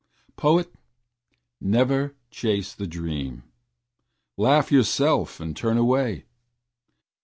Poet, never chase the dream. Laugh yourself and turn away.